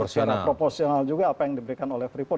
secara proporsional juga apa yang diberikan oleh freeport